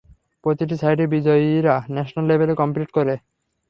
প্রতিটি সাইটের বিজয়ীরা ন্যাশনাল লেভেলে কম্পিট করে।